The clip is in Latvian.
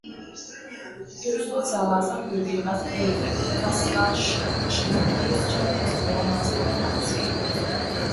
Ir sociālās atbildības krīze, kas skar šīs trīs četras jomas vienlaicīgi.